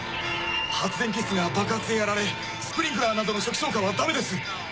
発電気室が爆発でやられスプリンクラーなどの初期消火はダメです。